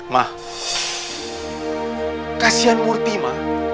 ma kasian murty ma